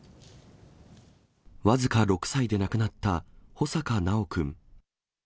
僅か６歳で亡くなった穂坂修くん。